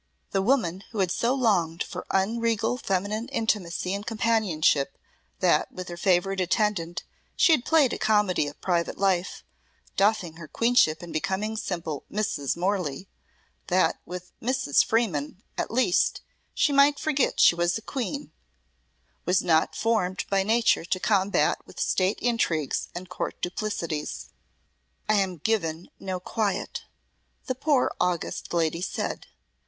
The woman who had so longed for unregal feminine intimacy and companionship that with her favoured attendant she had played a comedy of private life doffing her queenship and becoming simple "Mrs. Morley," that with "Mrs. Freeman," at least, she might forget she was a Queen was not formed by Nature to combat with State intrigues and Court duplicities. "I am given no quiet," the poor august lady said.